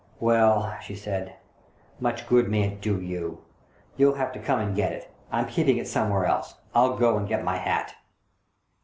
" Well," she said, " much good may it do you. You'll have to come and get it — I'm keeping it somewhere else. I'll go and get my hat."